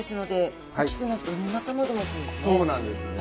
そうなんですね。